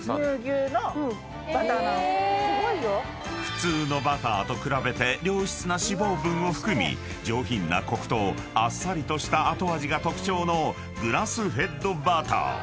［普通のバターと比べて良質な脂肪分を含み上品なコクとあっさりとした後味が特徴のグラスフェッドバター］